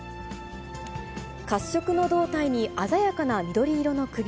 褐色の胴体に鮮やかな緑色の首。